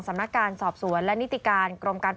สำนักการณ์สอบสวนและนิติการ์